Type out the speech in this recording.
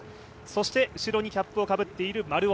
そして後ろにキャップをかぶっている、丸尾。